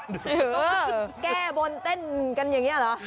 ต้องมาแก้บนเต้นกันอย่างนี้เหรอ